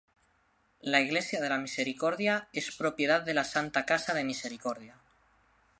La Iglesia de la Misericordia es propiedad de la Santa Casa de Misericordia.